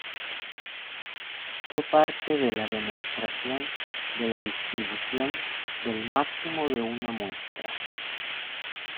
Se parte de la demostración de la distribución del máximo de una muestra.